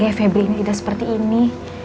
gaya febri tidak seperti ini